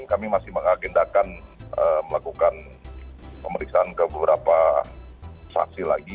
kami masih mengagendakan melakukan pemeriksaan ke beberapa saksi lagi